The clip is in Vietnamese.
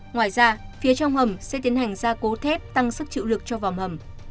ngoài ra phía trong hầm sẽ tiến hành gia cố thép tăng sức chịu lực cho vòng hầm